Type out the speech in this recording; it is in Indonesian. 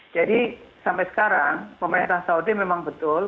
jadi sampai sekarang pemerintah saudi memang betul